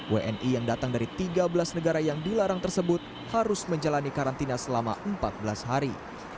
wni yang datang dari tiga belas negara yang dilarang tersebut harus menjalani karantina selama empat belas hari